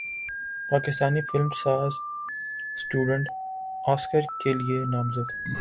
پاکستانی فلم ساز student Oscar کے لیے نامزد